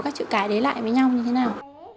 các chữ cái đấy lại với nhau như thế nào